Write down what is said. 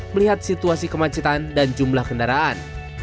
melihat situasi kemacetan dan jumlah kendaraan